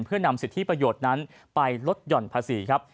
เพื่อนำสิทธิประโยชน์นั้นไปลดหย่อนภาษีครับ